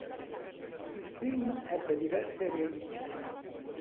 Il film ebbe diverse riedizioni.